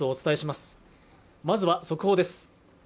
まずは速報です